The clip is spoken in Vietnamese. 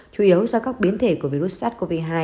chủ yếu do các biến thể của virus sars cov hai